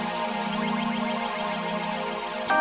jangan lupa memberikan punca